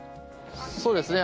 そうですね。